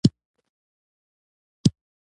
هغه لار واخیستله.